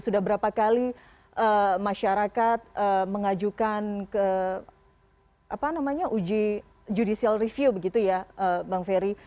sudah berapa kali masyarakat mengajukan uji judicial review begitu ya bang ferry